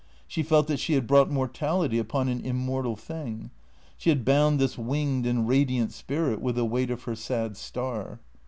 She felt that she had brought mortality upon an immortal thing. She had bound this winged and radiant spirit with the weight of her sad star.